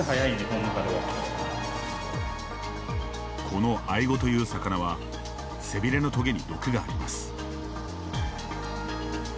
このアイゴという魚は背びれのとげに毒があります。